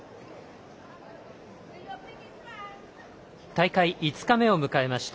大会５日目を迎えました